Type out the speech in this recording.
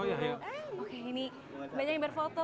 oke ini banyak yang berfoto